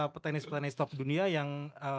petenis petenis top dunia yang